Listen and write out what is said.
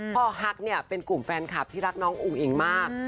ฮักเนี่ยเป็นกลุ่มแฟนคลับที่รักน้องอุ้งอิ๋งมาก